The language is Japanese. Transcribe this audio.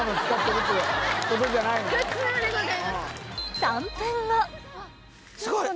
普通でございます。